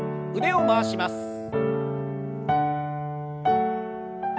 腕を回します。